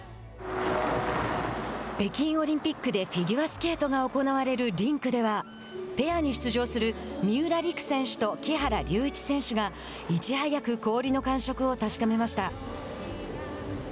北京オリンピックでフィギュアスケートが行われるリンクではペアに出場する三浦璃来選手と木原龍一選手がいち早く氷の感触を確かめました。